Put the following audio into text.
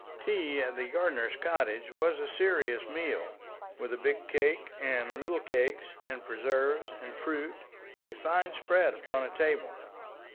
Tea at the gardener's cottage was a serious meal, with a big cake and little cakes, and preserves and fruit, a fine spread upon a table.